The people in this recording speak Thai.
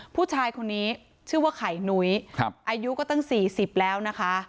ผู้ชายคนนี้ชื่อว่าไข่นุ้ยอายุก็ตั้ง๔๐แล้วนะคะ